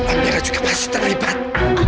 amirah juga pasti terlibat